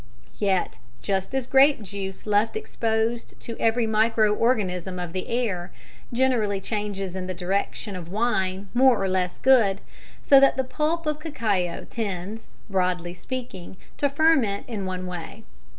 Yet, just as grape juice left exposed to every micro organism of the air, generally changes in the direction of wine more or less good, so the pulp of cacao tends, broadly speaking, to ferment in one way.